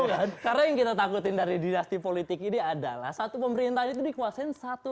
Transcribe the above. bukan karena yang kita takutin dari dinasti politik ini adalah satu pemerintahan itu dikuasain satu